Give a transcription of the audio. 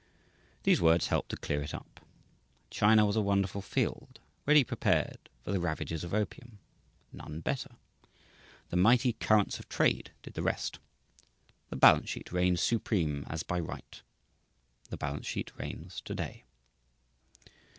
These words help to clear it up. China was a wonderful field, ready prepared for the ravages of opium none better. The mighty currents of trade did the rest. The balance sheet reigned supreme as by right. The balance sheet reigns to day.